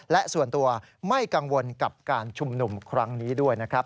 และส่วนตัวไม่กังวลกับการชุมนุมครั้งนี้ด้วยนะครับ